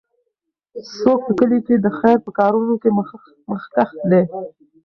څوک په کلي کې د خیر په کارونو کې مخکښ دی؟